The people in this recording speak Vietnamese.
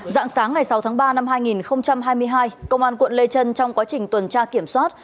dạng sáng ngày sáu tháng ba năm hai nghìn hai mươi hai công an quận lê trân trong quá trình tuần tra kiểm soát